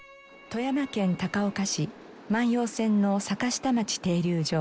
富山県高岡市万葉線の坂下町停留場。